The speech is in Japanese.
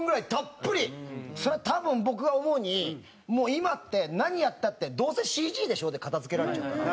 それは多分僕が思うにもう今って何やったって「どうせＣＧでしょ？」で片付けられちゃうから。